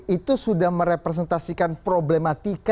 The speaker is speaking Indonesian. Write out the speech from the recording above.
itu sudah merepresentasikan problematika